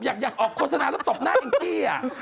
อยากออกโฆษณาแล้วตบหน้าแองจี้